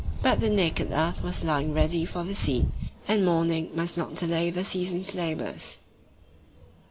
But the naked earth was lying ready for the seed, and mourning must not delay the season's labours.